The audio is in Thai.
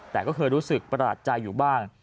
แต่ก็เคยรู้สึกประหลาดใจอยู่บ้าง